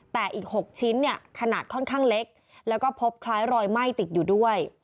แต่อีก๖ชิ้นเนี่ยขนาดค่อนข้างเล็กแล้วก็พบคล้ายรอยไหม้ติดอยู่ด้วย